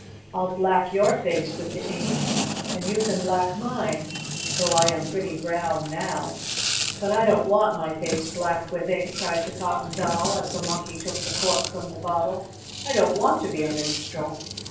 I'll black your face with the ink, and you can black mine, though I am pretty brown now." "But I don't want my face blacked with ink!" cried the Cotton Doll, as the Monkey took the cork from the bottle. "I don't want to be a minstrel!"